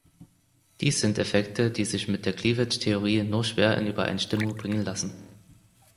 Dies sind Effekte, die sich mit der Cleavage-Theorie nur schwer in Übereinstimmung bringen lassen.